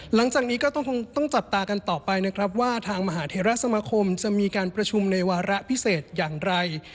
หลังจากนี้ก็ต้องคงต้องจับตากันต่อไปนะครับว่าทางมหาเทราสมคมจะมีการประชุมในวาระพิเศษอย่างไร